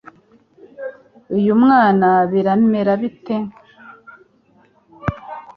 uyu mwana biramera bite